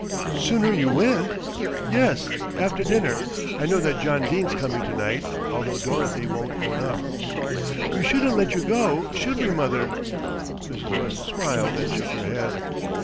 "Sooner you went?" "Yes, after dinner, I know that John Dene's coming to night, although Dorothy won't own up." "We shouldn't let you go, should we, mother?" Mrs. West smiled and shook her head.